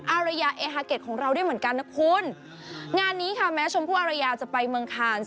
อารยาเอฮาเก็ตของเราด้วยเหมือนกันนะคุณงานนี้ค่ะแม้ชมพู่อารยาจะไปเมืองคาน